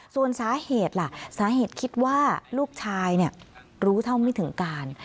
ส่วนสาเหตุล่ะสาเหตุคิดว่าลูกชายรู้เท่าไม่ถึงการ